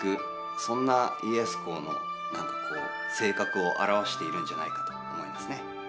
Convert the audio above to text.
そんな家康公の何かこう性格を表しているんじゃないかと思いますね。